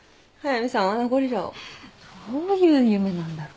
どういう夢なんだろ？